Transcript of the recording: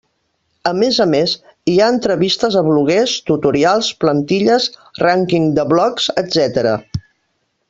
A més a més, hi ha entrevistes a bloguers, tutorials, plantilles, rànquing de blogs, etc.